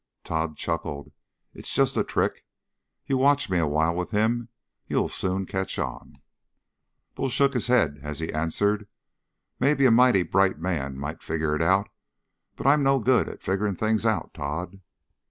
Tod chuckled. "It's just a trick. You watch me a while with him, you'll soon catch on." But Bull shook his head as he answered, "Maybe a mighty bright man might figure it out, but I'm not good at figuring things out, Tod."